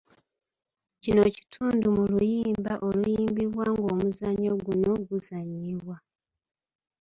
Kino kitundu mu luyimba oluyimbibwa ng'omuzannyo guno guzannyibwa.